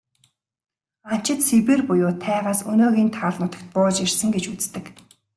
Анчид Сибирь буюу тайгаас өнөөгийн тал нутагт бууж ирсэн гэж үздэг.